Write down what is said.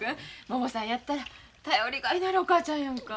ももさんやったら頼りがいのあるお母ちゃんやんか。